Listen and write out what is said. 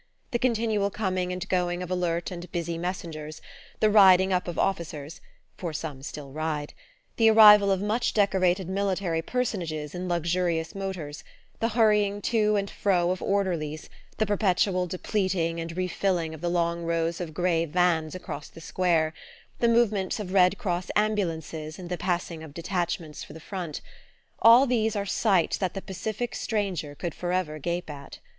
The continual coming and going of alert and busy messengers, the riding up of officers (for some still ride!), the arrival of much decorated military personages in luxurious motors, the hurrying to and fro of orderlies, the perpetual depleting and refilling of the long rows of grey vans across the square, the movements of Red Cross ambulances and the passing of detachments for the front, all these are sights that the pacific stranger could forever gape at.